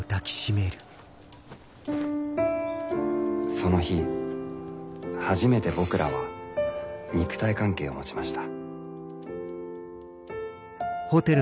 その日初めて僕らは肉体関係を持ちました。